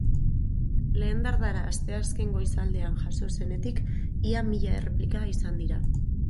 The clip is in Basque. Lehen dardara asteazken goizaldean jazo zenetik, ia mila erreplika izan dira.